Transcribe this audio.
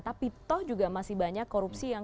tapi toh juga masih banyak korupsi yang